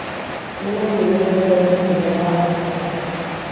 Nimeni din lume nu dorește bomba iraniană.